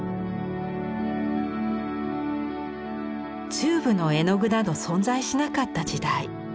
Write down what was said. チューブの絵の具など存在しなかった時代。